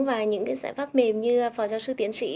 và những cái giải pháp mềm như phó giáo sư tiến sĩ